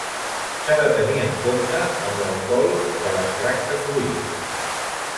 S'ha de tenir en compte amb l'alcohol de l'extracte fluid.